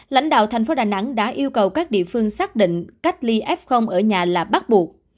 lãnh đạo thành phố đà nẵng đã yêu cầu các địa phương xác định cách ly f ở nhà là bắt buộc